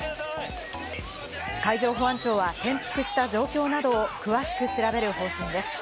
海上保安庁は転覆した状況などを詳しく調べる方針です。